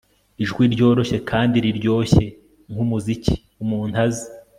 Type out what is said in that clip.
Ijwi ryoroshye kandi riryoshye nkumuziki umuntu azi